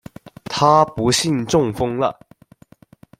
她不幸中风了